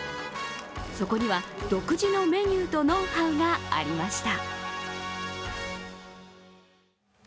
そこには独自のメニューとノウハウがありました。